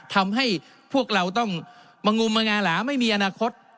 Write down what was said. ทำให้พวกเราต้องมางมมางาหลาไม่มีอนาคต